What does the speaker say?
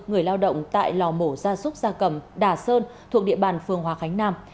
người lao động tại lò mổ gia súc gia cầm đà sơn thuộc địa bàn phường hòa khánh nam